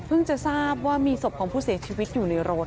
จะทราบว่ามีศพของผู้เสียชีวิตอยู่ในรถ